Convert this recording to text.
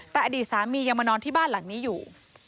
แต่อดีตสามียังมานอนที่บ้านหลังนี้อยู่